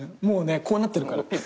もうねこうなってるから。